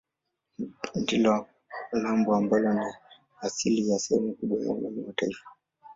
Ndilo lambo ambalo ni asili ya sehemu kubwa ya umeme wa taifa.